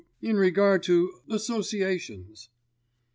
in regard to associations.